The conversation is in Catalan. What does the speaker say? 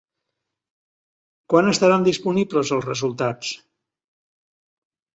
Quan estaran disponibles els resultats?